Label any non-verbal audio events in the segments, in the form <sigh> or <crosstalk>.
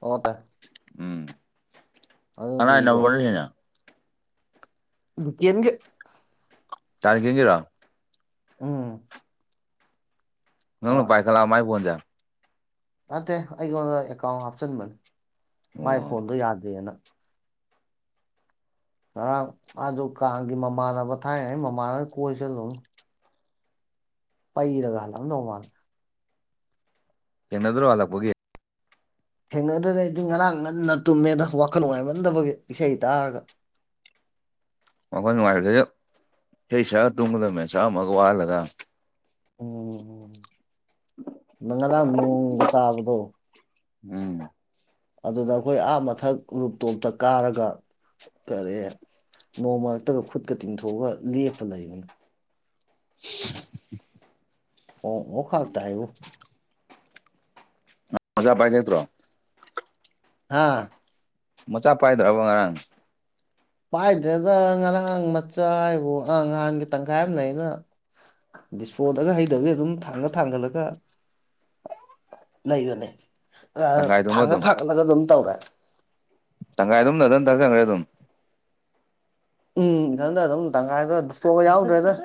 ꯑꯣ ꯇꯥꯏ ꯎꯝ ꯀꯅꯥ ꯑꯗꯨꯗꯤꯕꯣ ꯅꯝꯕꯣꯁꯤꯅ ꯂꯨꯀꯦꯟꯒꯤ ꯇꯥ ꯂꯨꯀꯦꯟꯒꯤꯔꯣ ꯎꯝ ꯃꯥ ꯅꯪꯅ ꯄꯥꯏꯈꯠꯂꯛꯑꯕ ꯃꯥꯏ ꯐꯣꯟꯁꯦ꯫ ꯅꯠꯇꯦ ꯑꯩꯉꯣꯟꯗ ꯑꯦꯀꯥꯎꯟ ꯍꯥꯞꯆꯤꯟꯕꯅꯦ ꯃꯥꯏ ꯑꯣ ꯐꯣꯟꯗꯣ ꯌꯥꯗꯦꯅ꯫ ꯉꯔꯥꯡ ꯃꯥꯁꯨ ꯀꯥꯡꯒꯤ ꯃꯃꯥꯟꯅꯕ ꯊꯥꯏꯅ ꯉꯩ ꯃꯃꯥꯟꯅꯕ ꯀꯣꯏ ꯆꯠꯂꯨꯕꯅꯤ꯫ ꯄꯩꯔꯒ ꯍꯜꯂꯛꯑꯝꯗꯧ ꯃꯜꯂꯦ꯫ ꯊꯦꯡꯅꯗ꯭ꯔꯣ ꯍꯜꯂꯛꯄꯒꯤ꯫ ꯊꯦꯡꯅꯗꯔꯗꯤ ꯉꯔꯥꯡ ꯉꯟꯅ ꯇꯨꯝꯃꯦꯗ ꯋꯥꯈꯜ ꯅꯨꯡꯉꯥꯏꯃꯟꯗꯕꯒꯤ ꯏꯁꯩ ꯇꯥꯔꯒ꫰꫰ ꯋꯈꯜ ꯅꯨꯡꯉꯥꯏꯔꯗ꯭ꯔ ꯏꯁꯩ ꯁꯥꯛꯑꯒ ꯇꯨꯝꯒꯗꯕꯅꯦ ꯁꯥꯛꯑꯝꯃꯒ ꯋꯥꯜꯂꯒ꯫ ꯎꯝ ꯎ ꯉꯔꯥꯡ ꯅꯣꯡꯒ ꯇꯕꯗꯣ ꯎꯝ ꯑꯗꯨꯗ ꯑꯩꯈꯣꯏ ꯑꯥ ꯃꯊꯛ ꯔꯨꯞ ꯇꯣꯞꯇ ꯀꯥꯔꯒ ꯀꯔꯦ ꯅꯣꯡ ꯃꯔꯛꯇꯒ ꯈꯨꯠꯀ ꯇꯤꯡꯊꯣꯛꯑꯒ ꯂꯦꯞꯄ ꯂꯩꯕꯅꯤ꯫ ꯑꯣ ꯑꯣꯈꯥꯛ ꯇꯥꯏꯕꯨ ꯑꯣꯖꯥ ꯄꯥꯏꯊꯦꯛꯇ꯭ꯔꯣ ꯍꯥꯥ ꯃꯆꯥ ꯄꯥꯏꯗ꯭ꯔꯕ ꯉꯔꯥꯡ ꯄꯥꯏꯗ꯭ꯔꯦꯗ ꯉꯔꯥꯡ ꯃꯆꯥ ꯍꯥꯢꯕꯨ ꯍ ꯉꯍꯟꯒꯤ ꯇꯪꯈꯥꯏ ꯑꯃ ꯂꯩꯅ ꯗꯤꯁꯄꯣꯗꯒ ꯍꯩꯗꯕꯤ ꯑꯗꯨꯝ ꯊꯥꯡꯒꯠ ꯊꯥꯡꯒꯠꯂꯒ ꯂꯩꯕꯅꯦ ꯑ ꯑ ꯇꯪꯈꯥꯏꯗꯨꯃ ꯊꯥꯡꯒ ꯑꯗꯨꯝ ꯊꯥꯛꯒꯠꯂꯒ ꯑꯗꯨꯝ ꯇꯧꯔꯦ꯫ ꯇꯪꯈꯥꯏ ꯑꯗꯨꯝ ꯅꯊꯟ ꯊꯥꯛꯆꯤꯜꯂꯦ ꯑꯗꯨꯝ ꯎꯝ ꯏꯊꯟꯗ ꯑꯗꯨꯝ ꯇꯪꯈꯥꯏꯗ ꯗꯤꯁꯄꯣꯒ ꯌꯥꯎꯗ꯭ꯔꯦꯗ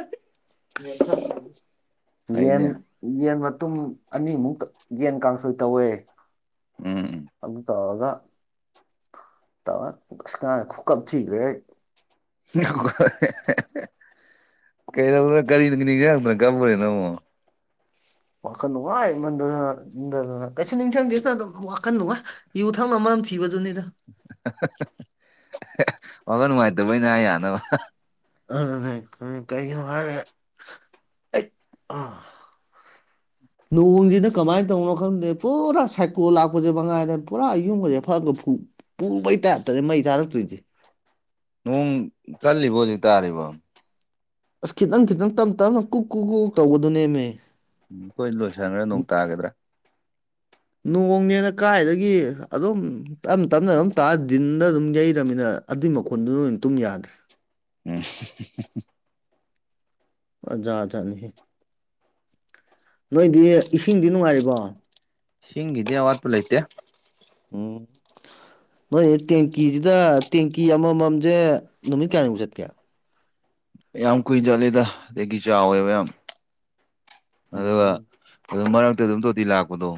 ꯌꯦꯟ ꯐꯩꯅꯦ ꯌꯦꯟ ꯃꯇꯨꯝ ꯑꯅꯤ ꯃꯨꯛ ꯌꯦꯟ ꯀꯥꯡꯁꯣꯏ ꯇꯧꯌꯦ꯫ ꯎꯝ ꯎꯝ ꯑꯗꯨ ꯇꯧꯔꯒ ꯇꯔꯀ ꯉꯔꯥꯡ ꯈꯨꯀꯞ ꯊꯤꯈ꯭ꯔꯦ ꯑꯩ ꯀꯩꯗꯧꯗꯅ ꯀꯔꯤ ꯅꯤꯡꯖꯤꯡ ꯉꯥꯛꯇꯅ ꯑꯃꯨꯛ ꯀꯥꯄꯨꯔꯤꯅꯣ ꯑꯃꯨꯛ ꯋꯥꯈꯟꯅꯨꯡꯉꯥꯏ ꯃꯟꯗꯗꯅ ꯀꯩꯁꯨ ꯅꯤꯡꯁꯡꯗꯦꯗ ꯑꯗꯨꯝ ꯋꯈꯜ ꯅꯨꯉꯥꯏ ꯌꯨ ꯊꯛꯅꯕ ꯃꯔꯝ ꯊꯤꯕꯗꯨꯅꯤꯗ ꯋꯥꯈ ꯅꯨꯡꯉꯥꯏꯇꯕꯩꯅꯦ ꯍꯥꯏ ꯌꯥꯅꯕ ꯑ ꯀꯔꯤꯒꯤꯅꯦ ꯍꯥꯏꯔ ꯑꯩ ꯑ <inaudible> ꯅꯣꯡꯁꯤꯅ ꯀꯃꯥꯏꯅ ꯇꯧꯅꯣ ꯈꯪꯗꯦ ꯄꯨꯔꯥ ꯁꯥꯏꯀꯣꯜ ꯂꯥꯛꯄꯁꯦ ꯃꯉꯥꯏꯔ ꯄꯨꯔꯥ ꯌꯨꯝꯕꯁꯦ ꯐꯛꯒ ꯐꯨ ꯄꯨ ꯃꯩ ꯇꯥꯔꯞꯇꯔꯦ ꯃꯩ ꯊꯥꯔꯛꯇꯣꯏꯁꯦ꯫ ꯅꯣꯡ ꯆꯠꯂꯤꯕ ꯍꯧꯖꯤꯛ ꯇꯥꯔꯤꯕꯣ ꯑꯁ ꯈꯤꯇꯪ ꯈꯤꯇꯪ ꯇꯞ ꯇꯞꯅ ꯀꯨꯛ ꯀꯨ ꯀꯨ ꯇꯧꯕꯗꯨꯅꯦꯃꯦ꯫ ꯎꯝ ꯑꯩꯣꯏ ꯂꯣꯏꯁꯤꯟꯈ꯭ꯔꯦ ꯅꯣꯡ ꯇꯥꯒꯗ꯭ꯔꯥ ꯅꯣꯡꯅꯦꯅ ꯀꯥꯏꯗꯒꯤ ꯑꯗꯨꯝ ꯇꯞꯅ ꯇꯞꯅ ꯑꯗꯨꯝ ꯇꯥ ꯗꯤꯟꯗ ꯑꯗꯨꯝ ꯌꯩꯔꯕꯃꯤꯅ ꯑꯗꯨꯏ ꯃꯈꯣꯟꯗꯨꯅꯣꯏ ꯇꯨꯝ ꯌꯥꯗ꯭ꯔꯦ꯫ ꯎꯝ ꯑꯣꯖꯥꯖꯥꯠꯅꯤꯍ ꯅꯣꯏꯗꯤ ꯏꯁꯤꯡꯗꯤ ꯅꯨꯡꯉꯥꯏꯔꯤꯕꯣ ꯁꯤꯡꯒꯤꯗꯤ ꯑꯋꯥꯠꯄ ꯂꯩꯇꯦ꯫ ꯎꯝ ꯅꯣꯏ ꯇꯦꯡꯀꯤꯁꯤꯗ ꯇꯦꯡꯀꯤ ꯑꯃꯃꯝꯁꯦ ꯅꯨꯃꯤꯠ ꯀꯌꯥꯅꯤꯃꯨꯛ ꯆꯠꯀꯦ꯫ ꯌꯥꯝ ꯀꯨꯏ ꯆꯠꯂꯤꯗ ꯑꯗꯒꯤ ꯆꯥꯎꯋꯦꯕ ꯌꯥꯝ ꯑꯗꯨꯒ ꯎꯝ ꯑꯗꯨ ꯃꯔꯛꯇ ꯑꯗꯨꯝ ꯇꯣꯇꯤ ꯂꯥꯛꯄꯗꯣ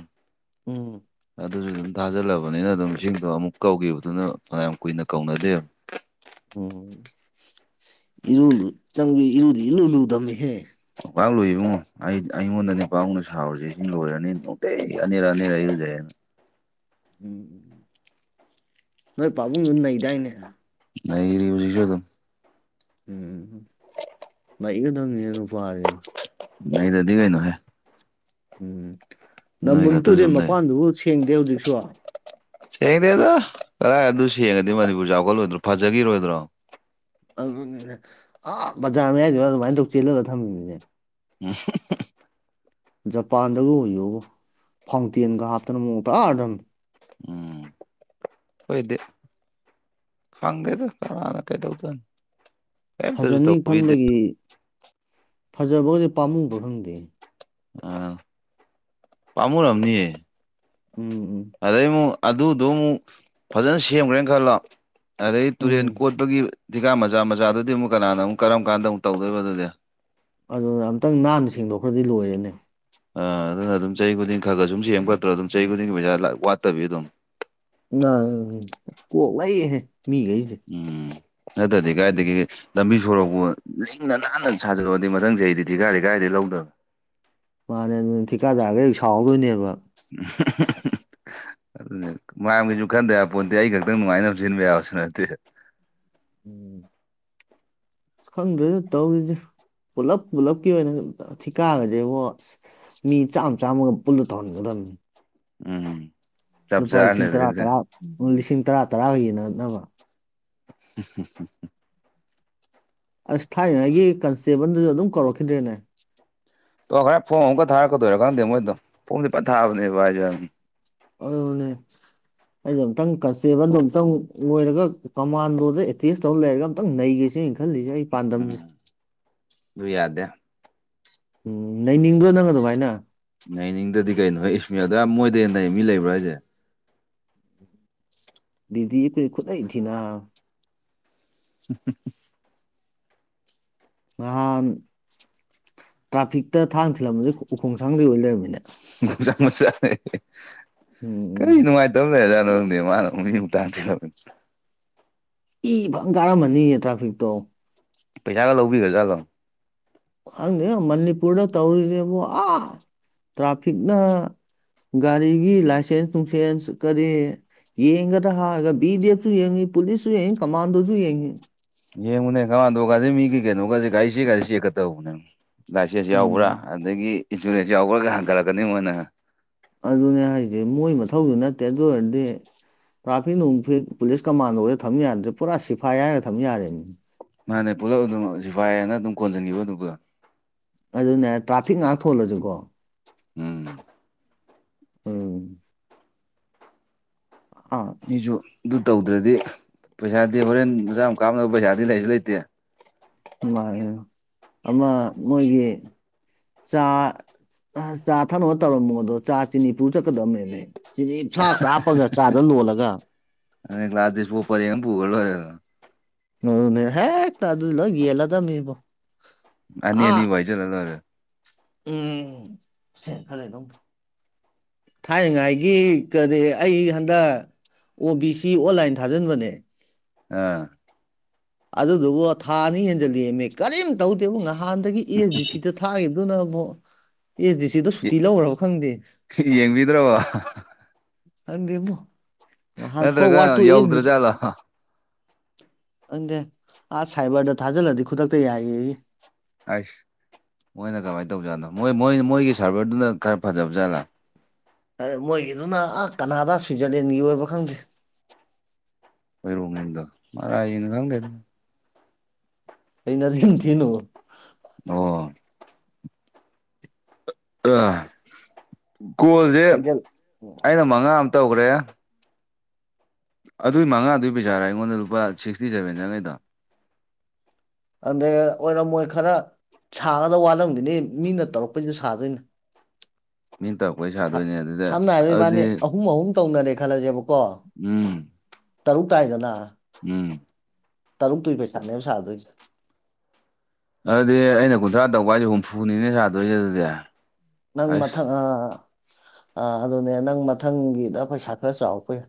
ꯎꯝ ꯑꯗꯨꯁꯨ ꯑꯗꯨꯝ ꯊꯥꯖꯜꯂꯕꯅꯤꯅ ꯑꯗꯨꯝ ꯏꯁꯤꯡꯗꯣ ꯑꯃꯨꯛ ꯀꯧꯈꯤꯕꯗꯨꯅ ꯐꯅꯌꯥꯝ ꯀꯨꯏꯅ ꯀꯧꯅꯗꯦ꯫ ꯎꯝ ꯏꯔꯨꯨ ꯅꯪꯒꯤ ꯏꯔꯨꯗꯤ ꯏꯂꯨ ꯂꯨꯗꯝꯕꯃꯤꯍꯦ ꯄꯥꯛꯥꯛ ꯂꯨꯏꯕꯨꯡꯣ ꯑꯩ ꯑꯩꯉꯣꯟꯗꯗꯤ ꯄꯥꯎꯅ ꯁꯥꯎꯔꯨꯁꯦ ꯁꯤ ꯂꯣꯏꯔꯅꯤ ꯅꯣꯡꯇꯩ ꯑꯅꯤꯔ ꯑꯅꯤꯔꯛ ꯏꯔꯨꯖꯩ ꯍꯥꯏꯅ ꯎꯝ ꯎꯝ ꯅꯣꯏ ꯄꯥꯕꯨꯡꯗꯨ ꯅꯩꯗꯥꯏꯅꯦ꯫ ꯅꯔꯤꯔꯤꯕ ꯍꯧꯖꯤꯁꯨ ꯑꯗꯨꯝ ꯎꯝ ꯎꯝ ꯎꯝ <unintelligible> ꯂꯥꯛꯏꯒ ꯅꯪꯖꯦ ꯅꯨꯄꯥꯔꯤꯅ ꯅꯩꯗꯔꯗꯤ ꯀꯩꯅꯣꯍꯦ ꯎꯝ ꯅꯣꯏ ꯅꯝꯕꯨꯟ ꯈꯛꯇ ꯇꯨꯔꯦꯟ ꯁꯨꯝ ꯅꯩ ꯃꯄꯥꯟꯗꯨꯕꯨ ꯁꯦꯡꯗꯦ ꯍꯧꯖꯤꯛꯁꯨ ꯁꯦꯡꯗꯦꯗ ꯀꯗꯥꯏ ꯑꯗꯨ ꯁꯦꯡꯉꯗꯤ ꯃꯅꯤꯄꯨꯔ ꯆꯥꯎꯈꯠꯂꯣꯏꯗ꯭ꯔꯣ ꯐꯖꯒꯤꯔꯣꯏꯗ꯭ꯔꯣ ꯑꯗꯨꯅꯤꯅꯦ ꯑꯥ ꯕꯖꯥꯔ ꯃꯌꯥꯏꯗꯨ ꯑꯗꯨꯃꯥꯏꯟ ꯇꯧ ꯆꯦꯜꯍꯜꯂ ꯊꯝꯃꯤꯅꯤꯅꯦ <unintelligible> ꯖꯄꯥꯟꯗꯒ ꯑꯣꯏꯌꯣꯕꯨ ꯐꯥꯎꯟꯇꯦꯟꯒ ꯍꯥꯞꯇꯅ ꯃꯑꯣꯡ ꯇꯥꯔꯗꯕꯅꯤ ꯎꯝ ꯍꯣꯏꯗ ꯈꯪꯗꯦꯗ ꯀꯥꯅꯅ ꯀꯩꯗꯧꯗꯣꯏꯅꯣ ꯀꯩꯝꯇꯁꯨ ꯐꯖꯅꯤ ꯇꯧꯕꯤꯗꯦ ꯈꯟꯕꯒꯤ ꯐꯖꯕꯒꯖꯦ ꯄꯥꯝꯃꯨꯕꯔ ꯈꯪꯗꯦ ꯄꯥꯝꯃꯨꯨꯔꯝꯅꯤꯌꯦ ꯎꯝ ꯎꯝ ꯑꯗꯩ ꯑꯃꯨꯛ ꯑꯗꯨꯗꯣ ꯑꯃꯨꯛ ꯐꯖꯅ ꯁꯦꯝꯒ꯭ꯔꯦꯅ ꯈꯜꯂꯣ ꯑꯗꯩ ꯇꯨꯔꯦꯟ ꯎꯝ ꯀꯣꯠꯄꯒꯤ ꯗꯤꯒꯥꯥ ꯃꯆꯥ ꯃꯆꯥꯗꯨꯗꯤ ꯑꯃꯨꯛ ꯀꯅꯥꯅ ꯑꯃꯨꯛ ꯀꯔꯝ ꯀꯥꯟꯗ ꯑꯃꯨꯛ ꯇꯧꯗꯣꯏꯕ ꯑꯗꯨꯗꯤ ꯑꯗꯨꯅ ꯑꯝꯇꯪ ꯅꯥꯟꯅ ꯁꯦꯡꯗꯣꯛꯈ꯭ꯔꯗꯤ ꯂꯣꯏꯔꯦꯅꯦ ꯑ ꯑꯗꯨꯅ ꯑꯗꯨꯝ ꯆꯍꯤ ꯈꯨꯗꯤꯡ ꯈꯔ ꯈꯔ ꯁꯨꯝ ꯁꯦꯡ ꯐꯠꯇ꯭ꯔꯣ ꯑꯗꯨꯝ ꯆꯍꯤ ꯈꯨꯗꯤꯡꯒꯤ ꯄꯩꯁꯥ ꯋꯥꯠꯇꯕꯤꯗ ꯑꯗꯨꯝ ꯅ ꯀꯣꯛꯂꯩꯍꯦ ꯃꯤꯒꯩꯁꯦ ꯎꯝ ꯅꯠꯇꯔꯗꯤ ꯀꯥꯏꯗꯒꯤ ꯂꯝꯕꯤ ꯁꯣꯔꯣꯛꯄꯨ ꯂꯤꯁꯤꯡꯅ ꯅꯥꯟꯅ ꯁꯥꯖꯜꯂꯣꯗꯤ ꯃꯊꯪ ꯆꯍꯤꯗꯤ ꯊꯤꯀꯗꯤ ꯀꯥꯏꯗꯩ ꯂꯧꯗꯣꯏꯕ ꯃꯥꯅꯦ ꯑꯗꯨꯅ ꯊꯤꯀꯥꯗꯥꯔꯒꯩꯖꯨ ꯁꯥꯎꯗꯣꯏꯅꯦꯕ <unintelligible> ꯑꯗꯨꯅꯦ ꯃꯌꯥꯝꯒꯤꯖꯨ ꯈꯟꯗ ꯌꯥꯟꯄꯣꯠꯇꯦ ꯑꯩ ꯈꯛꯇꯪ ꯅꯨꯡꯉꯥꯏꯅꯕ ꯁꯤꯟꯕ ꯌꯥꯕꯁꯨ ꯅꯠꯇꯦ ꯎꯝ ꯑꯁ ꯈꯪꯗ꯭ꯔꯦꯗ ꯇꯧꯔꯤꯖꯦ ꯄꯨꯂꯞ ꯄꯨꯂꯞꯀꯤ ꯑꯣꯏꯅ ꯊꯤꯀꯥꯒꯁꯦꯕꯣ ꯑꯁ ꯃꯤ ꯆꯥꯝ ꯆꯥꯝꯃꯒ ꯄꯨꯜꯂ ꯇꯧꯍꯟꯒꯗꯕꯅꯤ ꯎꯝ ꯆꯞ ꯆꯥꯔꯅꯤ ꯑꯗꯩꯗꯤ ꯃꯣꯏ ꯂꯤꯁꯤꯡ ꯇꯔꯥ ꯇꯔꯥꯒ ꯌꯦꯟꯅꯅꯕ <unintelligible> ꯑꯁ ꯊꯥꯏꯅꯉꯩꯒꯤ ꯀꯟꯁꯇꯦꯕꯜꯗꯨꯖꯨ ꯑꯗꯨꯝ ꯀꯧꯔꯛꯈꯤꯗ꯭ꯔꯦꯅꯦ ꯇꯣꯛꯈꯔꯦ ꯐꯣꯝ ꯑꯃꯨꯛꯀ ꯊꯥꯔꯛꯀꯗꯣꯏꯔ ꯈꯪꯗꯦ ꯃꯣꯏꯗꯣ ꯐꯣꯝꯗꯤ ꯐꯅꯥ ꯊꯥꯕꯅꯦꯕ ꯚꯥꯏꯖꯦ ꯑꯗꯨꯅꯦ ꯑꯩꯗꯣ ꯑꯝꯇꯪ ꯀꯟꯁꯇꯦꯕꯜꯗ ꯑꯝꯇꯪ ꯑꯣꯏꯔꯒ ꯀꯃꯥꯟꯗꯣꯗ ꯑꯦꯇꯦꯁ ꯇꯧꯔ ꯂꯩꯔꯒ ꯑꯝꯇꯪ ꯅꯩꯒꯦꯁꯤꯅꯤ ꯈꯜꯂꯤꯖꯦ ꯑꯩ ꯄꯥꯟꯗꯝꯖꯦ ꯎꯝ ꯑꯗꯨ ꯌꯥꯗꯦ ꯎꯝ ꯅꯩꯅꯤꯡꯗ꯭ꯔꯣ ꯅꯪ ꯑꯗꯨꯃꯥꯏꯅ ꯅꯩꯅꯤꯡꯗꯗꯤ ꯀꯩꯅꯣꯍꯦ ꯏꯁ ꯃꯤ ꯑꯗꯨꯌꯥꯝ ꯃꯣꯏꯗꯩ ꯍꯦꯟꯅ ꯃꯤ ꯂꯩꯕ꯭ꯔꯣ ꯍꯥꯏꯖꯦ <unintelligible> <unintelligible> ꯅꯍꯥꯟ ꯇ꯭ꯔꯥꯐꯤꯛꯇ ꯊꯥꯡ ꯊꯤꯜꯂꯝꯕꯗꯨ ꯎ ꯎꯈꯣꯡꯁꯥꯡꯗꯩ ꯑꯣꯏ ꯂꯩꯔꯝꯃꯤꯅꯦ <unintelligible> ꯎꯝ ꯎꯝ ꯇꯕ ꯂꯩꯔꯖꯥꯠꯅꯣ ꯈꯪꯗꯦꯅꯦ ꯃꯥꯅ ꯃꯤꯕꯨ ꯊꯥꯡ ꯊꯤꯜꯂꯝꯃꯤꯗꯨ ꯏ ꯐꯪ ꯀꯥꯔꯝꯃꯅꯤꯌꯦ ꯇ꯭ꯔꯥꯐꯤꯛꯇꯣ ꯄꯩꯁꯥꯒ ꯂꯧꯕꯤꯒ꯭ꯔꯖꯥꯠꯂꯣ ꯈꯪꯗꯦꯗ ꯃꯅꯤꯄꯨꯔꯗ ꯇꯧꯔꯤꯖꯦꯕꯨ ꯑꯥ ꯇ꯭ꯔꯥꯐꯤꯛꯅ ꯒꯥꯔꯤꯒꯤ ꯂꯥꯏꯁꯦꯟꯁ ꯅꯨꯡꯁꯦꯟꯁ ꯀꯔꯤ ꯌꯦꯡꯒꯗꯔ ꯍꯥꯏꯔꯒ ꯕꯤꯄꯗꯤ ꯑꯦꯐꯁꯨ ꯌꯦꯡꯉꯤ ꯄꯨꯂꯤꯁꯁꯨ ꯌꯦꯡꯉꯤ ꯀꯃꯥꯟꯗꯣꯁꯨ ꯌꯦꯡꯉꯤ ꯌꯦꯡꯉꯨꯅꯦ ꯀꯃꯥꯟꯗꯣ ꯒꯥꯏꯖꯦ ꯃꯤꯒꯤ ꯀꯩꯅꯣꯒꯖꯦ ꯒꯥꯔꯤ ꯆꯦꯒꯖꯦ ꯆꯦꯛꯀ ꯇꯧꯕꯅꯦ ꯂꯥꯏꯁꯦꯟꯁ ꯌꯥꯎꯕ꯭ꯔꯥ ꯎꯝ ꯑꯗꯒꯤ ꯏꯟꯁꯨꯔꯦꯟꯁ ꯌꯥꯎꯕ꯭ꯔꯥꯒ ꯍꯟꯒꯠꯂꯛꯀꯅꯤ ꯃꯣꯏꯅ ꯑꯗꯨꯅꯦ ꯍꯥꯏꯁꯦ ꯃꯣꯏ ꯃꯊꯧꯁꯨ ꯅꯠꯇꯦ ꯑꯗꯨ ꯑꯣꯏꯔꯗꯤ ꯇ꯭ꯔꯥꯐꯤꯛ ꯅꯨꯡꯐꯤꯛ ꯄꯨꯂꯤꯁ ꯀꯃꯥꯟꯗꯣꯗ ꯊꯝ ꯌꯥꯗ꯭ꯔꯦ ꯄꯨꯔꯥ ꯁꯤꯐ ꯑꯥꯏ ꯑꯥꯔꯒ ꯊꯝ ꯌꯥꯔꯦꯅꯤ ꯃꯥꯅꯦ ꯄꯨꯂꯞ ꯑꯗꯨꯝ ꯁꯤꯐꯥꯏꯅ ꯑꯗꯨꯝ ꯀꯣꯟꯖꯟꯈꯤꯕ ꯑꯗꯨꯕꯨꯒ ꯑꯗꯨꯅꯦ ꯇ꯭ꯔꯥꯐꯤꯛ ꯉꯍꯥꯛ ꯊꯣꯜꯂꯁꯤꯀꯣ ꯎꯝ ꯑꯣ ꯎ ꯃꯤꯁꯨ ꯑꯗꯨ ꯇꯧꯗ꯭ꯔꯗꯤ ꯄꯩꯁꯥꯗꯤ ꯍꯣꯔꯦꯟ ꯃꯆꯥ ꯑꯃ ꯀꯥꯞꯅꯕ ꯄꯩꯁꯥꯗꯤ ꯂꯩꯁꯨ ꯂꯩꯇꯦ ꯃꯥ ꯑꯃ ꯃꯣꯏꯒꯤ ꯆꯥ ꯆꯥ ꯊꯛꯅꯕ ꯇꯧꯔꯝꯃꯣ ꯑꯗꯣ ꯆꯥ ꯆꯤꯅꯤꯐꯨ ꯆꯠꯀꯗꯕꯅꯦꯅꯦ ꯁꯤꯗꯤ ꯏ ꯐꯥꯛꯇ ꯍꯥꯞꯄꯒ ꯆꯥꯗ ꯂꯣꯜꯂꯒ ꯑ ꯀ꯭ꯂꯥꯁꯗꯄꯣꯄꯔꯦꯒꯅꯤ ꯄꯨꯒ ꯑꯣꯏꯔꯦ ꯑꯗꯨꯣ ꯍꯦ ꯇꯗꯨꯂꯣ ꯦꯂꯗꯝꯕꯣ ꯑꯅꯤ ꯑꯅꯤ ꯋꯥꯏꯖꯜꯔꯦ ꯎꯝꯦ ꯈꯂꯦ ꯑꯗꯨꯝ ꯊꯥꯏꯅꯉꯥꯏꯒꯤ ꯀꯔꯤ ꯑꯩ ꯍꯟꯗꯛ ꯑꯣ ꯕꯤ ꯁꯤ ꯑꯣꯟꯂꯥꯏꯟ ꯊꯥꯖꯤꯟꯕꯅꯦ ꯑꯥ ꯑꯗꯨꯗꯨꯕꯨ ꯊꯥ ꯑꯅꯤ ꯍꯦꯟꯖꯜꯂꯤꯑꯦꯝꯃꯦ ꯀꯔꯤꯝ ꯇꯧꯗꯦꯕꯨ ꯅꯍꯥꯟꯗꯒꯤ ꯑꯦꯁ ꯗꯤ ꯁꯤꯗ ꯊꯥꯈꯤꯗꯨꯅ ꯑꯃ ꯑꯦꯁ ꯗꯤ ꯁꯤꯗ ꯁꯨꯇꯤ ꯂꯧꯈ꯭ꯔꯕ ꯈꯪꯗꯦ ꯌꯦꯡꯕꯤꯗ꯭ꯔꯕꯣ ꯍꯥꯟ ꯊꯣꯛ ꯋꯥ ꯇꯨ ꯍꯂ ꯑꯗꯨꯪꯗꯦ ꯑꯁ ꯁꯥꯏꯕꯔꯗ ꯊꯥꯖꯤꯜꯂꯗꯤ ꯈꯨꯗꯛꯇ ꯌꯥꯏꯌꯦ ꯑꯁ ꯃꯣꯏꯅ ꯀꯃꯥꯏꯅ ꯇꯧꯖꯥꯠꯅꯣ ꯃꯣꯏ ꯃꯣꯏ ꯃꯣꯏꯒꯤ ꯁꯥꯔꯚꯔꯗꯨꯅ ꯈꯔ ꯐꯖꯕ ꯖꯥꯠꯂꯥ ꯃꯣꯏꯒꯤꯗꯨꯅ ꯑ ꯀꯅꯥꯗ ꯁ꯭ꯋꯤꯖꯔꯂꯦꯟꯒꯤ ꯑꯣꯏꯕ ꯈꯪꯗꯦ ꯑꯩꯣꯏ ꯔꯨꯝꯝꯗꯣ ꯃꯥꯥꯪꯒ ꯑꯩ ꯅꯁꯒꯅ ꯊꯅ ꯑꯣ ꯀꯣꯜꯁꯦ ꯈꯪꯖꯜ ꯑꯩꯅ ꯃꯉꯥ ꯑꯃ ꯇꯧꯈ꯭ꯔꯦ ꯑꯗꯨꯏ ꯃꯉꯥꯗꯨꯏ ꯄꯩꯁꯥꯔꯥ ꯑꯩꯉꯣꯟꯗ ꯂꯨꯄꯥ ꯁꯤꯛꯁꯇꯤ ꯁꯕꯦꯟ ꯆꯪꯉꯩꯗꯣ꯫ ꯑꯗ ꯑꯣꯏꯔꯝ ꯃꯣꯏ ꯈꯔ ꯁꯥꯒꯗꯕ ꯋꯥꯠꯂꯝꯒꯤꯅꯤ ꯃꯤꯅ ꯇꯧꯔꯛꯄꯩꯗꯨ ꯁꯥꯗꯣꯏꯅꯦ꯫ ꯃꯤꯅ ꯇꯧꯔꯛꯄꯩ ꯁꯥꯗꯣꯏꯅꯦ ꯑꯗꯨꯗ ꯁꯝꯅ ꯍꯥꯏꯔꯕꯗ ꯑꯗꯨꯗꯤ ꯏꯕꯥꯅꯤ ꯑꯍꯨꯝ ꯑꯍꯨꯝ ꯇꯧꯅꯔꯦ ꯈꯜꯂꯁꯦꯕꯀꯣ꯫ ꯎꯝ ꯇꯔꯨꯛ ꯇꯥꯏꯗꯅ ꯎꯝ ꯇꯔꯨꯛꯇꯨꯏ ꯄꯩꯁꯥꯅꯦꯕ ꯁꯥꯗꯣꯏꯁꯦ꯫ ꯑꯗꯨꯗꯤ ꯑꯩꯅ ꯀꯨꯟꯊ꯭ꯔꯥ ꯇꯧꯕ ꯍꯥꯏꯁꯦ ꯍꯨꯝꯐꯨꯅꯤꯅꯦ ꯁꯥꯗꯣꯏꯁꯦ ꯑꯗꯨꯗꯤ꯫ ꯅꯪ ꯑꯁ ꯃꯊꯪ ꯑꯥ ꯑꯗꯨꯅꯦ ꯅꯪ ꯃꯊꯪꯒꯤꯗ ꯄꯩꯁꯥ ꯈꯔ ꯆꯥꯎꯔ ꯌꯥꯏ꯫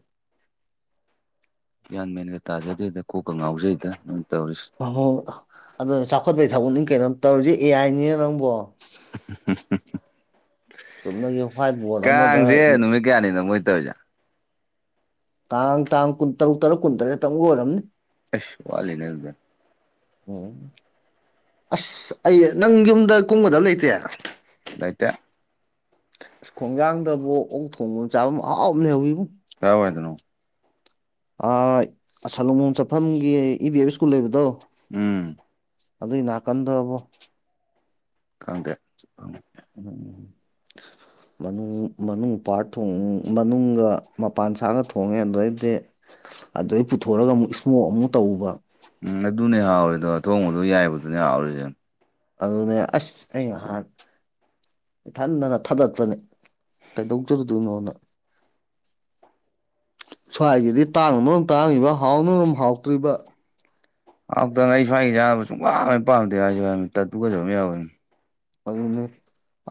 ꯒ꯭ꯌꯥꯟ ꯃꯦꯟꯒ ꯇꯥꯖꯗꯦꯗ ꯀꯣꯛꯀ ꯉꯥꯎꯖꯩꯗ ꯅꯣꯏ ꯇꯧꯔꯤꯁꯤ꯫ ꯑꯍꯣ ꯑꯗꯣ ꯆꯥꯎꯈꯠꯄꯒꯤ ꯊꯕꯛꯅꯤ ꯀꯩꯅꯣ ꯇꯧꯔꯤꯖꯦ ꯑꯦꯌꯥꯥꯏꯅꯤꯅ ꯅꯪꯕꯣ꯫ <inaudible> ꯆꯨꯝꯅꯒꯤ ꯍ꯭ꯋꯥꯏꯠ ꯕꯣꯔꯗ ꯑꯃꯗ ꯀꯥꯡꯁꯦ ꯅꯨꯃꯤꯠ ꯀꯌꯥꯅꯤꯅꯣ ꯃꯣꯏ ꯇꯧꯔꯤꯖꯦ- ꯇꯥꯡ ꯇꯥꯡ ꯀꯨꯟ ꯇꯔꯨꯛ ꯇꯔꯨꯛ ꯀꯨꯟ ꯇꯔꯦꯠꯇ ꯇꯪ ꯑꯣꯏꯔꯝꯅꯤ꯫ ꯑꯦꯁ ꯋꯥꯠꯂꯤꯅꯦꯗꯤ꯫ ꯎꯝ ꯑꯁ ꯑꯩ ꯅꯪ ꯌꯨꯝꯗ ꯀꯨꯝꯒꯗꯕ ꯂꯩꯇꯦ꯫ ꯂꯩꯇꯦ ꯑ ꯎꯈꯣꯡꯖꯥꯡꯗꯕꯨ ꯑꯣꯛ ꯊꯣꯡꯐꯝ ꯆꯥꯐꯝ ꯃꯍꯥꯎ ꯂꯩꯍꯧꯋꯤꯕꯣ꯫ ꯀꯥꯏ ꯍꯥꯏꯗꯅꯣ ꯑ ꯁꯂꯨꯡꯕꯝ ꯆꯠꯐꯝꯒꯤ ꯏ ꯕꯤ ꯑꯦꯐ ꯁ꯭ꯀꯨꯜ ꯂꯩꯕꯗꯣ ꯎꯝ ꯑꯗꯨꯏ ꯅꯥꯀꯟꯗꯣꯕꯣ ꯈꯪꯗꯦ ꯎꯝ ꯃꯅꯨꯡ ꯃꯅꯨꯡ ꯄꯥꯠ ꯊꯣꯡ ꯃꯅꯨꯡꯒ ꯃꯄꯥꯟ ꯁꯥꯒ ꯊꯣꯡꯉꯦ ꯑꯗꯩꯗꯤ ꯑꯗꯩ ꯄꯨꯊꯣꯔꯑꯒ ꯑꯃꯨꯛ ꯏꯁꯃꯣꯛ ꯑꯃꯨꯛ ꯇꯧꯕ ꯎꯝ ꯑꯗꯨꯅꯦ ꯍꯥꯎꯔꯤꯗꯣ ꯊꯣꯡꯕꯗꯣ ꯌꯥꯏꯕꯗꯨꯅꯦ ꯍꯥꯎꯔꯤꯖꯦ ꯑꯗꯨꯅꯦ ꯑꯩꯁ ꯑꯩ ꯉꯍꯥꯟ ꯏꯊꯟꯗꯅ ꯊꯥꯗꯛꯄꯅꯦ ꯀꯩꯗꯧꯖꯔꯨꯗꯣꯏꯅꯣꯅ ꯁ꯭ꯋꯥꯏꯒꯤꯗꯤ ꯇꯥꯡꯅ ꯃꯔꯣꯝ ꯇꯥꯡꯉꯤꯕ ꯍꯥꯎꯅꯔꯨꯝ ꯍꯥꯎꯇ꯭ꯔꯤꯕ ꯍꯥꯎꯇꯃꯦ ꯑꯩ ꯁ꯭ꯋꯥꯏꯒꯤ ꯌꯥꯥꯟꯅꯕ ꯁꯨꯡ ꯄꯥꯝꯍꯦꯛ ꯄꯥꯝꯗꯦ ꯍꯥꯏꯁꯨ ꯍꯥꯏꯅꯤ ꯇꯠꯇꯨꯒꯠꯆꯕ ꯑꯃ ꯌꯥꯎꯋꯦ ꯑꯗꯨꯅꯦ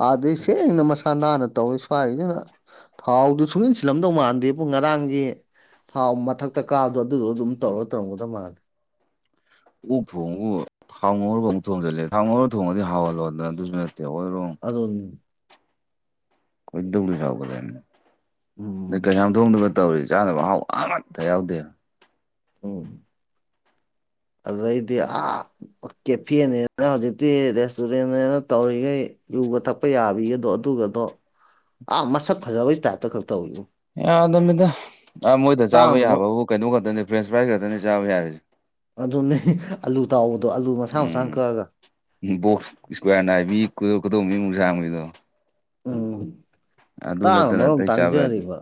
ꯑꯥꯗꯩ ꯁꯦꯡꯅ ꯃꯁꯥ ꯅꯥꯟꯅ ꯇꯧꯋꯤ ꯁ꯭ꯋꯥꯏꯒꯤꯖꯤꯅ ꯊꯥꯎꯗꯨ ꯁꯨꯡꯏꯟꯁꯤꯜꯂꯝꯗꯧ ꯃꯥꯟꯗꯦ ꯕꯣ ꯉꯔꯥꯡꯒꯤ ꯊꯥꯎ ꯃꯊꯛ ꯇ ꯀꯥꯗꯣ ꯑꯗꯨꯗꯣ ꯑꯗꯨꯝ ꯇꯧꯔ ꯇꯔꯝꯒꯗꯕ ꯃꯥꯜꯂꯦ ꯑꯣꯛ ꯊꯣꯡꯕꯕꯨ ꯊꯥꯎ ꯉꯥꯎꯔꯃꯨꯛ ꯊꯣꯡꯖꯤꯜꯂꯦ ꯊꯥꯎ ꯉꯧꯔ ꯊꯣꯡꯉꯗꯤ ꯍꯥꯎꯍꯜꯂꯣꯗꯅ ꯑꯗꯨꯁꯨ ꯅꯠꯇꯦ <unintelligible> ꯑꯗꯨꯅꯤ ꯈꯣꯏꯗꯧꯗꯨꯝ ꯁꯥꯎꯒꯂꯦꯝꯅꯤ ꯗꯩ ꯎꯝ ꯀꯩꯁꯥꯝ ꯊꯣꯡꯗꯒ ꯇꯧꯔꯤꯁ ꯆꯥꯅꯕ ꯑꯍꯥꯎ ꯑꯃꯠꯇ ꯌꯥꯎꯗꯦ ꯎꯝ ꯑꯗꯨꯗꯩꯗꯤ ꯑꯥ ꯀꯦꯐꯦꯅꯦꯅ ꯍꯧꯖꯤꯛꯇꯤ ꯔꯦꯁꯇꯨꯔꯦꯟꯅꯦꯅ ꯇꯧꯔꯤꯒꯩ ꯌꯨꯒ ꯊꯛ ꯄ ꯌꯥꯕꯤꯒꯗꯣ ꯑꯗꯨꯒꯗꯣ ꯑꯥ ꯃꯁꯛ ꯐꯖꯕꯩ ꯇꯥꯏꯞꯇ ꯈꯛ ꯇꯧꯋꯤ ꯌꯥꯗꯃꯤꯗ ꯑ ꯃꯣꯏꯗ ꯆꯥꯕ ꯇꯥꯡꯅꯕ ꯌꯥꯕꯕꯨ ꯀꯩꯅꯣ ꯈꯛꯇꯅꯤ ꯐ꯭ꯔꯦꯟꯁ ꯄ꯭ꯔꯥꯏꯖ ꯈꯛꯇꯅꯤ ꯆꯥꯕ ꯌꯥꯔꯤꯖꯦ ꯑꯗꯨꯅꯦ ꯑꯂꯨ ꯇꯥꯎꯕꯗꯣ ꯑꯥꯂꯨ ꯃꯁꯥꯡ ꯃꯁꯥꯡ ꯎꯝ ꯀꯛꯑꯒ ꯕꯣꯛꯁ ꯏꯁꯀ꯭ꯋꯥꯔ ꯅꯥꯏꯕꯤ ꯈꯨꯗꯣ ꯈꯨꯗꯣꯟꯕꯤꯃꯨꯛ ꯁꯥꯡꯕꯒꯤꯗꯣ ꯎꯝ ꯇꯥꯡꯅ ꯅꯠꯇꯅ ꯃꯔꯣꯝ ꯑꯇꯩ ꯆꯥꯕ ꯌꯥꯗꯦ ꯇꯥꯡꯖꯔꯤꯕ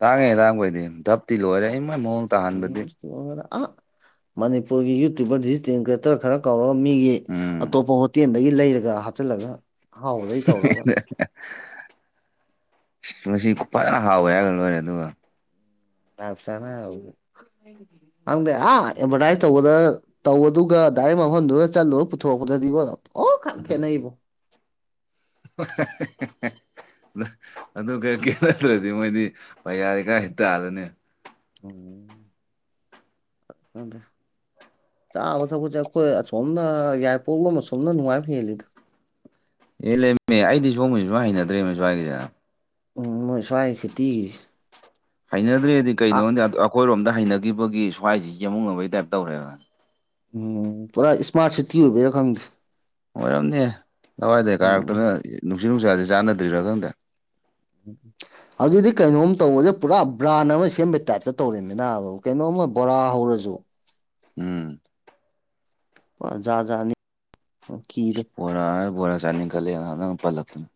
ꯇꯥꯡꯉꯦ ꯇꯥꯡꯕꯩꯗꯤ ꯙꯞꯇꯤ ꯂꯣꯏꯔꯦ ꯏꯃꯥꯏ ꯃꯑꯣꯡ ꯇꯥꯍꯟꯕꯗꯤ ꯑ ꯃꯅꯤꯄꯨꯔꯒꯤ ꯌꯨꯇꯨꯕꯔ ꯗꯤꯖꯤꯇꯦꯜ ꯀ꯭ꯔꯤꯌꯦꯇꯔ ꯈꯔ ꯀꯧꯔꯒ ꯃꯤꯒꯤ ꯎꯝ ꯑꯇꯣꯞꯄ ꯍꯣꯇꯦꯜꯗꯒꯤ ꯂꯩꯔꯒ ꯍꯥꯞꯆꯤꯜꯂꯒ ꯑꯍꯥꯎꯕꯗꯩ ꯇꯧꯔꯒ <unintelligible> ꯉ ꯐꯖꯅ ꯍꯥꯎꯋꯦ ꯍꯥꯏꯔꯒ ꯂꯣꯏꯔꯦ ꯑꯗꯨꯒ ꯞꯁꯥꯅꯪꯗꯦ ꯑ ꯑꯦꯗꯚꯔꯇꯥꯏꯁ ꯇꯧꯕꯗ ꯇꯧꯕꯗꯨꯒ ꯗꯥꯏꯔꯦꯛ ꯃꯐꯝꯗꯨꯒ ꯆꯠꯂꯨꯔ ꯄꯨꯊꯣꯔꯛꯄꯗꯗꯤꯀꯣ ꯑꯣ ꯈ ꯈꯦꯠꯅꯩꯕꯣ <unintelligible> ꯑꯗꯨ ꯀꯩꯀꯦ ꯅꯠꯇ꯭ꯔꯗꯤ ꯃꯣꯏꯗꯤ ꯄꯩꯌꯥꯗꯤ ꯀꯗꯥꯥꯏ ꯇꯥꯜꯂꯅꯤ ꯎꯝꯗ ꯆꯥꯕ ꯊꯛꯄꯁꯦ ꯑꯩꯈꯣꯏ ꯑꯁꯣꯝꯅ ꯌꯥꯏ ꯄꯣꯛꯂꯣ ꯑꯃ ꯑꯁꯣꯝꯅ ꯅꯨꯡꯉꯥꯏꯕ ꯍꯦꯜꯂꯤꯗ ꯑꯦ ꯂꯩꯝꯃꯦ ꯑꯩꯗꯤ ꯁꯣꯝꯕꯁꯨ ꯁꯃꯥꯏ ꯍꯩꯅꯗ꯭ꯔꯦ ꯃꯁꯨ ꯍꯥꯏꯒꯤꯁꯤꯗꯅ ꯎꯝ ꯃꯣꯏ ꯁ꯭ꯋꯥꯏ ꯁꯤꯇꯤꯒꯤ ꯍꯩꯅꯗ꯭ꯔꯦꯗꯤ ꯀꯩꯅꯣꯗꯤ ꯑꯩꯈꯣꯏꯔꯣꯝꯗ ꯍꯩꯅꯈꯤꯕꯒꯤ ꯁ꯭ꯋꯥꯏꯁꯤ ꯌꯦꯃꯨ ꯉꯕꯒꯤ ꯇꯥꯏꯞ ꯇꯧꯔꯦꯕꯅꯦ ꯎꯝ ꯄꯨꯔꯥ ꯏꯁꯃꯥꯔꯠ ꯁꯤꯇꯤ ꯑꯣꯏꯕꯔꯥ ꯈꯪꯗꯦ ꯑꯣꯏꯔꯝꯅꯦ ꯂꯋꯥꯏꯗ ꯎꯝ ꯀꯥꯔꯛꯇꯅ ꯅꯨꯡꯁꯤꯠ ꯅꯨꯡꯁꯁꯤ ꯆꯥꯟꯅꯗ꯭ꯔꯥ ꯈꯪꯗꯦ ꯎꯝ ꯑꯗꯨꯗꯤ ꯀꯩꯅꯣꯝ ꯇꯧꯕꯁꯦ ꯄꯨꯔꯥ ꯕ꯭ꯔꯥꯟ ꯑꯃ ꯁꯦꯝꯕꯩ ꯇꯥꯏꯞꯇ ꯇꯧꯔꯤꯕꯃꯤꯅꯕꯨ ꯀꯩꯅꯣꯝꯃ ꯕꯣꯔꯥ ꯍꯧꯔꯁꯨ ꯎꯝ ꯌꯥꯥꯖꯥꯅꯤ ꯀꯗ ꯕꯣꯔꯥ ꯕꯣꯔꯥ ꯆꯥꯅꯤ ꯈꯜꯂꯦ ꯅꯪꯅ ꯄꯜꯂꯛꯇꯅ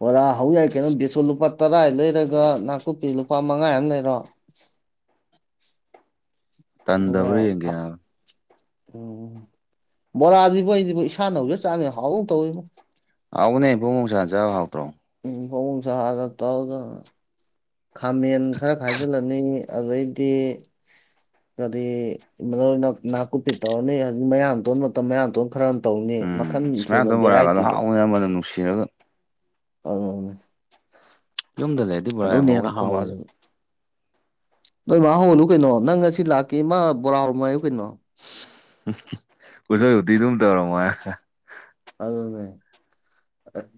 ꯕꯣꯔꯥ ꯍꯧ ꯌꯥꯏ ꯀꯩꯅꯣ ꯕꯦꯁꯣ ꯂꯨꯄꯥ ꯇꯔꯥ ꯂꯩꯔꯒ ꯅꯥꯀꯨꯞꯄꯤ ꯂꯨꯄꯥ ꯃꯉꯥ ꯑꯃ ꯂꯩꯔꯣ ꯑꯗꯨꯒ ꯇꯟꯗꯕ꯭ꯔꯥ ꯌꯦꯡꯒꯦ ꯐ ꯍꯥꯏꯕ ꯎꯝ ꯕꯣꯔꯥꯖꯤꯕꯨ ꯑꯩꯖꯤꯕꯨ ꯏꯁꯥꯅ ꯍꯧꯖ ꯆꯥꯕꯖꯤꯅ ꯍꯥꯎꯒꯨꯝ ꯇꯧꯋꯤꯕꯣ ꯍꯥꯎꯕꯅꯦ ꯐꯣꯡ ꯐꯣꯡ ꯁꯥꯅ ꯆꯥꯕ ꯍꯥꯎꯇ꯭ꯔꯣ ꯎꯝ ꯐꯣꯡꯐꯣꯡ ꯁꯥꯒ ꯇꯥꯎꯒ ꯈꯥꯃꯦꯟ ꯈꯔ ꯈꯥꯏꯖꯤꯜꯂꯅꯤ ꯑꯗꯩꯗꯤ ꯑꯗꯤ ꯃꯔꯣꯏ ꯅꯥ ꯅꯥꯀꯨꯞꯄꯤ ꯇꯧꯔꯅꯤ ꯍꯧꯖꯤ ꯃꯌꯥꯝꯇꯣꯟ ꯃꯇꯝ ꯃꯌꯥꯝꯇꯣꯟ ꯈꯔ ꯇꯧꯅꯤ ꯃꯈꯟ ꯁꯨꯅ ꯚꯦꯔꯥꯏꯇꯤꯗꯣ ꯃꯌꯥꯡ ꯃꯅꯝ ꯅꯨꯡꯁꯤꯔꯒ ꯑꯗꯨꯅꯦ ꯌꯨꯝꯗ ꯂꯩꯔꯗꯤ ꯕꯣꯔꯥ ꯌꯥꯝ ꯑꯗꯨꯅ ꯍꯧꯕꯅꯦ ꯍꯦꯟꯅ ꯑꯩꯈꯣꯏ ꯃꯥꯁꯨ ꯍꯥꯎꯋꯦꯕ ꯅꯣꯏ ꯃꯥ ꯍꯧꯍꯟꯂꯨ ꯀꯩꯅꯣ ꯅꯪ ꯉꯁꯤ ꯂꯥꯛꯀꯦ ꯢꯃꯥ ꯕꯣꯔꯥ ꯍꯧꯔꯝꯃꯨ ꯍꯥꯏꯌꯨ ꯀꯩꯅꯣ <unintelligible> ꯎꯁꯣꯏ ꯍꯇꯤꯗꯨꯝ ꯇꯧꯔꯝꯃꯣ ꯍꯥꯏꯔꯒ ꯑꯗꯨꯅꯦ ꯑꯛ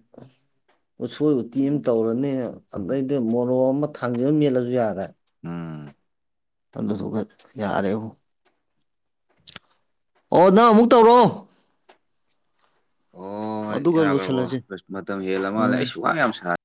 ꯎꯁꯣꯏ ꯎꯇꯤ ꯑꯃ ꯇꯧꯔꯅꯤ ꯑꯗꯩꯗꯤ ꯃꯣꯔꯣꯛ ꯑꯃ ꯊꯥꯡꯖꯤꯡꯕ ꯑꯃ ꯃꯦꯠꯂꯖꯨ ꯌꯥꯔꯦ ꯎꯝ ꯑꯗꯨꯗꯨꯒ ꯌꯥꯔꯦꯕꯨ ꯑꯣ ꯅꯪ ꯑꯃꯨꯛ ꯇꯧꯔꯣ ꯍꯣꯏ ꯑꯗꯨꯒ ꯌꯥꯒ꯭ꯔꯕꯣ ꯂꯣꯏꯁꯤꯜꯂꯁꯤ ꯃꯇꯝ ꯍꯦꯜꯂ ꯃꯥꯜꯂꯦ ꯎꯝ ꯑꯩꯁꯨ ꯋꯥ ꯌꯥꯝ ꯁꯥ